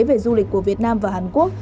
về du lịch của hàn quốc